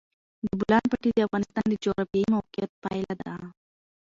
د بولان پټي د افغانستان د جغرافیایي موقیعت پایله ده.